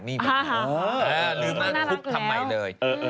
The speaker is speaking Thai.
ลื้อหน้านิดนึงทุบทำใหม่เลย